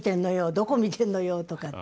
どこ見てんのよ！」とかって。